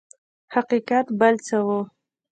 حقیقت بل څه و.